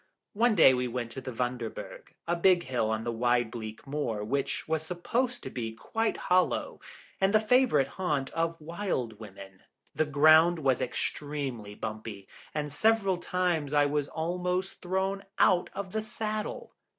One day we went to the Wunderberg, a big hill on a wide bleak moor, which was supposed to be quite hollow, and the favourite haunt of Wild Women. The ground was extremely bumpy, and several times I was almost thrown out of the saddle.